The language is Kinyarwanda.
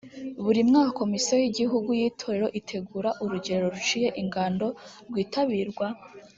buri mwaka komisiyo y igihugu y itorero itegura urugerero ruciye ingando rwitabirwa